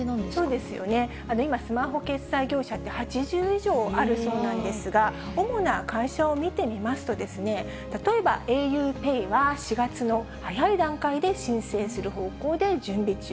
そうですよね、今、スマホ決済業者って８０以上あるそうなんですが、主な会社を見てみますと、例えばａｕＰＡＹは、４月の早い段階で申請する方向で準備中。